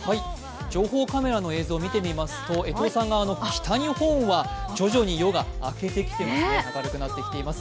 情報カメラの映像を見てみますと、北日本は徐々に夜が明けてきていますね、明るくなってきています。